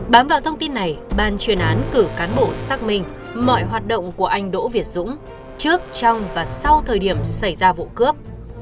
bám vào thông tin này ban chuyên án cử cán bộ xác minh mọi hoạt động của anh đỗ việt dũng trước trong và sau thời điểm xảy ra vụ cướp